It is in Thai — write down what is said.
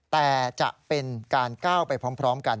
แต่จะเป็นการก้าวไปพร้อมกัน